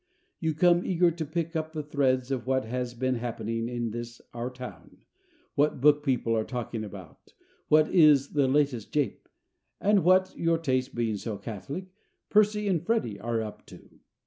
You come eager to pick up the threads of what has been happening in this our town, what books people are talking about, what is the latest jape, and what (your tastes being so catholic!) "Percy and Ferdie" are up to.